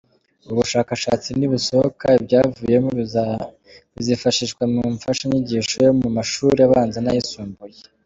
Ubu bushakashatsi nibusohoka, ibyavuyemo bizifashishwa mu mfashanyigisho yo mu mashuri abanza n’ayisumbuye.